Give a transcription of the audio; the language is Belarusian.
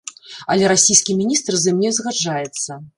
Але расійскі міністр з ім не згаджаецца.